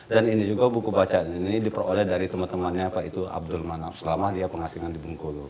dan ini juga buku bacaan ini diperoleh dari teman temannya pak abdul manaw selama dia pengasingan di bung kulo